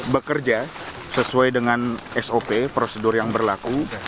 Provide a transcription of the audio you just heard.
bekerja sesuai dengan sop prosedur yang berlaku